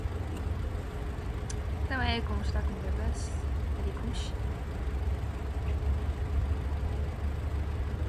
Alig and James pick up Angel Melendez, Gitsie, and Brooke.